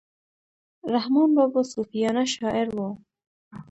رحمان بابا صوفیانه شاعر وو.